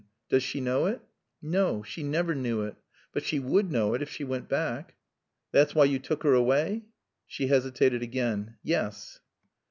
"Does she know it?" "No. She never knew it. But she would know it if she went back." "That's why you took her away?" She hesitated again. "Yes."